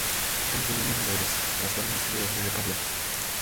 Note that additional investigation or adjudication may be required.